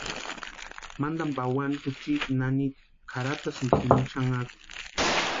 Mantani pawani juchiti nanita kʼarhatasïnti jini xanharhu.